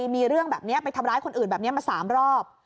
มีเรื่องแบบนี้ไปทำร้ายคนอื่นแบบนี้มา๓รอบ